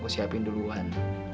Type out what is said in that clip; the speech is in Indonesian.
aku siapin duluan